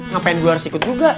ngapain gue harus ikut juga